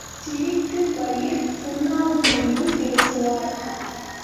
சிரித்து வயிறு புண்ணாகும்படியும் பேசுவார்.